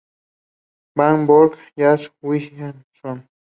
Van Vogt o Jack Williamson.